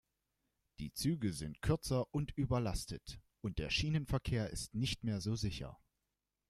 Die Züge sind kürzer und überlastet, und der Schienenverkehr ist nicht mehr so sicher.